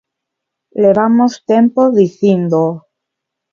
Levamos tempo dicíndoo.